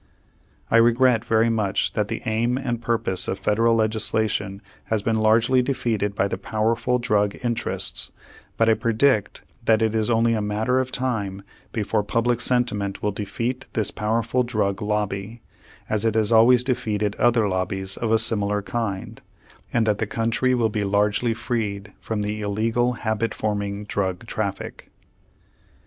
I regret very much that the aim and purpose of Federal legislation has been largely defeated by the powerful drug interests, but I predict that it is only a matter of time before public sentiment will defeat this powerful drug lobby, as it has always defeated other lobbies of a similar kind, and that the country will be largely freed from the illegal habit forming drug traffic.